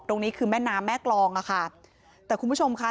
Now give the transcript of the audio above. ตรงนี้คือแม่น้ำแม่กรองอะค่ะแต่คุณผู้ชมค่ะ